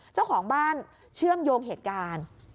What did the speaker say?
เจ้าของบ้านเชื่อมโยงเหตุการณ์